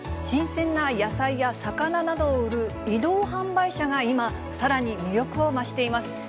新鮮な野菜や魚などを売る移動販売車が今、さらに魅力を増しています。